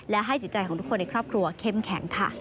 และให้จิตใจของทุกคนในครอบครัวเข้มแข็งค่ะ